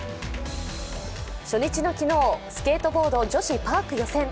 初日の昨日、スケートボード女子パーク予選。